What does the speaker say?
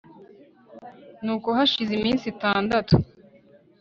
nuko hashize iminsi itandatu